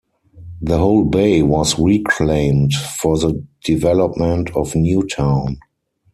The whole bay was reclaimed for the development of new town.